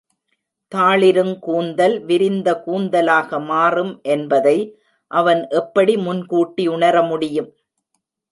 தாழிருங் கூந்தல் விரிந்த கூந்தலாக மாறும் என்பதை அவன் எப்படி முன் கூட்டி உணர முடியும்!